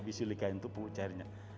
biosilika untuk pengucairnya